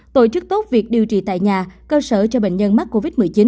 tổ chức tốt việc điều trị tại nhà cơ sở cho bệnh nhân mắc covid một mươi chín